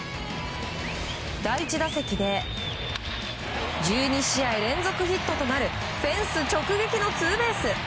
第１打席で１２試合連続ヒットとなるフェンス直撃のツーベース。